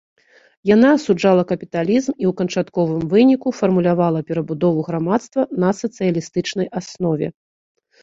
Яна асуджала капіталізм і ў канчатковым выніку фармулявала перабудову грамадства на сацыялістычнай аснове.